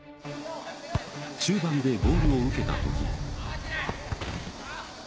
中盤でボールを受けたとき。